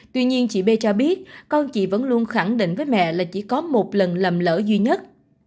tuy nhiên chị b cho biết con chị vẫn luôn khẳng định với mẹ là chỉ có một lần lầm lỡ duy nhất